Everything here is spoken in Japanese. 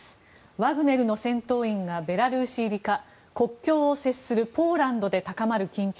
ワグネルの戦闘員がベラルーシ入りか国境を接するポーランドで高まる緊張。